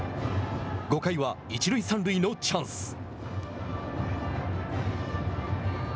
５回は一塁三塁のチャンス。